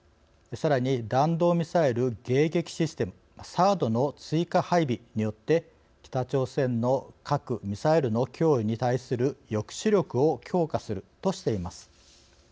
さらに弾道ミサイル迎撃システムの追加配備によって北朝鮮の核・ミサイルの脅威に対する抑止力を強化するとしています。